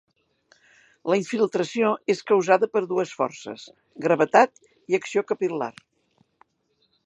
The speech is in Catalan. La infiltració és causada per dues forces: gravetat i acció capil·lar.